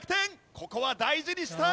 ここは大事にしたい。